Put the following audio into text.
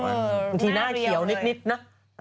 บางทีหน้าเขียวนิดนะ